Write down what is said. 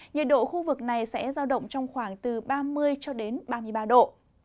nhiệt độ khu vực này sẽ giao động trong khoảng từ ba mươi cho đến ba mươi ba độ